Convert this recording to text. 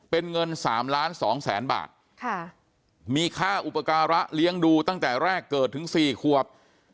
เป็นเงิน๓ล้าน๒แสนบาทมีค่าอุปการะเลี้ยงดูตั้งแต่แรกเกิดถึง๔ขวบ